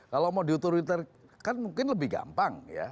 kalau mau diotoriter kan mungkin lebih gampang